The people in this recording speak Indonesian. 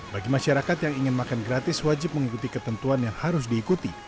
bagi masyarakat yang ingin makan gratis wajib mengikuti ketentuan yang harus diikuti